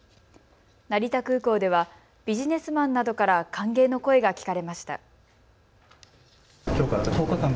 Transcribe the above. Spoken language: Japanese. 成田空港ではビジネスマンなどから歓迎の声が聞かれました。